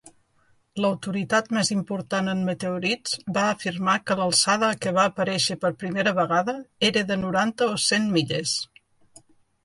L'autoritat més important en meteorits va afirmar que l'alçada a què va aparèixer per primera vegada era de noranta o cent milles.